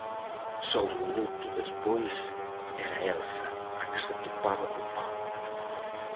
Só un minuto despois era Elsa a que se topaba co pau.